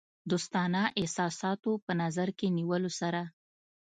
دوستانه احساساتو په نظر کې نیولو سره.